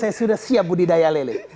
saya sudah siap budidaya lele